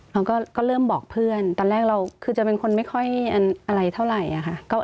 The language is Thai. เราก็เริ่มบอกเพื่อนตอนแรกเราคือจะเป็นคนไม่ค่อยอะไรเท่าไหร่ค่ะ